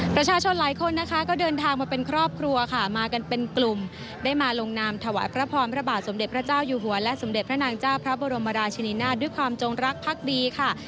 ประชาชนหลายคนนะคะก็เดินทางมาเป็นครอบครัวค่ะมากันเป็นกลุ่มได้มาลงนามถวายพระพรพระบาทสมเด็จพระเจ้าอยู่หัวและสมเด็จพระนางเจ้าพระบรมราชินินาศด้วยความจงรักพักดีค่ะ